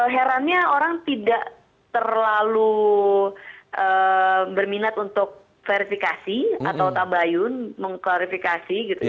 herannya orang tidak terlalu berminat untuk verifikasi atau tabayun mengklarifikasi gitu